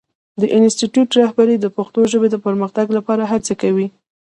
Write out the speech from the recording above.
د انسټیټوت رهبري د پښتو ژبې د پرمختګ لپاره هڅې کوي.